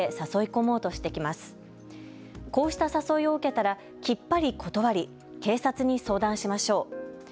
こうした誘いを受けたらきっぱり断り、警察に相談しましょう。